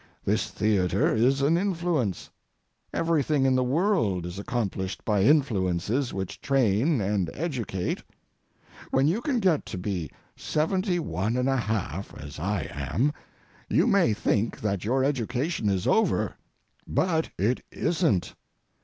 This theatre is an influence. Everything in the world is accomplished by influences which train and educate. When you get to be seventy one and a half, as I am, you may think that your education is over, but it isn't.